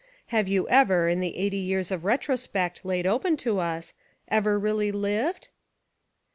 Have you ever, In the eighty years of retrospect laid open to us, ever really lived?"